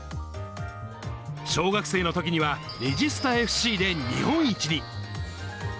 小学生のときには、レジスタＦＣで日本一に。